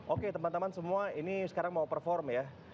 oke teman teman semua ini sekarang mau perform ya